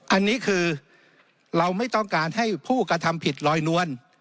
อันนี้คือเราไม่ต้องการให้ผู้กระทำผิดลอยนวล